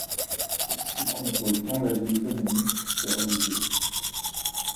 Il contrôle tant la vie économique, que religieuse.